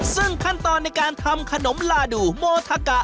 ซึ่งขั้นตอนในการทำขนมลาดูโมทะกะ